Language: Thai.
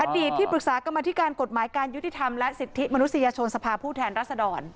ที่ปรึกษากรรมธิการกฎหมายการยุติธรรมและสิทธิมนุษยชนสภาพผู้แทนรัศดร